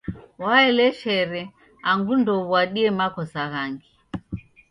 Waeleshere angu ndouw'adie makosa ghangi.